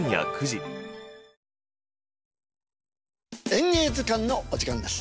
「演芸図鑑」のお時間です。